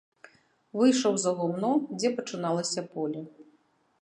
Выйшаў за гумно, дзе пачыналася поле.